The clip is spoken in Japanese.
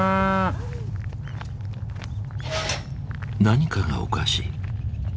何かがおかしい。